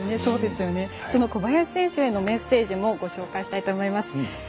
その小林選手へのメッセージもご紹介します。